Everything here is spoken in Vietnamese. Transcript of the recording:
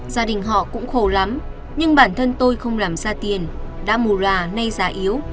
gia đình họ cũng khổ lắm nhưng bản thân tôi không làm ra tiền đã mù rà nay già yếu